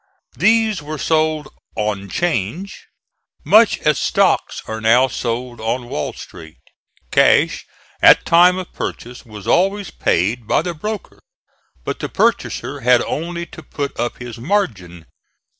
These were sold "On Change," much as stocks are now sold on Wall Street. Cash, at time of purchase, was always paid by the broker; but the purchaser had only to put up his margin.